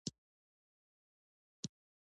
د شیرجان د یاغي کېدو په باب نارې شته.